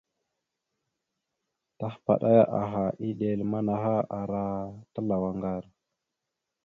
Tahəpaɗaya aha, eɗel manaha ara talaw aŋgar.